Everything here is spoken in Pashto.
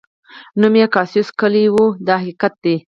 نوم یې کاسیوس کلي و دا حقیقت دی.